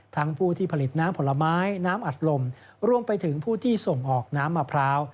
ผู้ที่ผลิตน้ำผลไม้น้ำอัดลมรวมไปถึงผู้ที่ส่งออกน้ำมะพร้าว